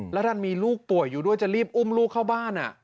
แล้วดันมีลูกป่วยอยู่ด้วยจะรีบอุ้มลูกเข้าบ้าน